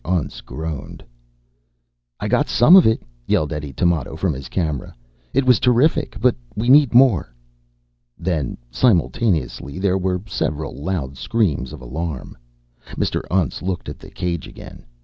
Untz groaned. "I got some of it!" yelled Eddie Tamoto from his camera. "It was terrific! But we need more!" Then simultaneously there were several loud screams of alarm. Mr. Untz looked at the cage again.